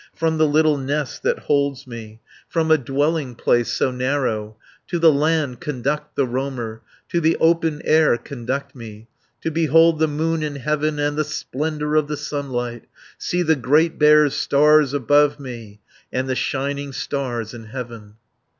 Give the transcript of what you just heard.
From the little nest that holds me, From a dwelling place so narrow, To the land conduct the roamer, To the open air conduct me, 310 To behold the moon in heaven, And the splendour of the sunlight; See the Great Bear's stars above me, And the shining stars in heaven."